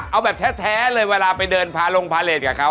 เอาแบบแท้เลยเวลาไปเดินพาลงพาเลสกับเขา